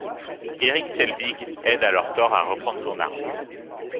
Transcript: Erik Selvig aide alors Thor à reprendre son arme.